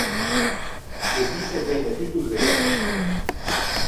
De chì se vedde tutto Zena.